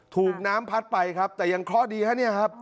ถูกน้ำพัดไปครับแต่ยังเคราะห์ดีฮะเนี่ยครับ